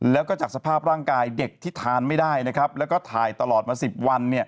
แล้วก็จากสภาพร่างกายเด็กที่ทานไม่ได้นะครับแล้วก็ถ่ายตลอดมา๑๐วัน